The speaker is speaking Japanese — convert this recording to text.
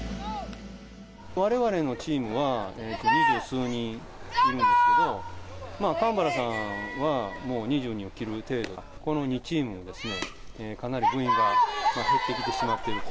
われわれのチームは二十数人いるんですけど、神原さんはもう２０人切る程度で、この２チームはかなり部員が減ってきてしまってると。